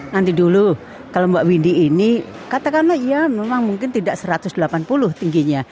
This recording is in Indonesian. nanti dulu kalau mbak windy ini katakanlah ya memang mungkin tidak satu ratus delapan puluh tingginya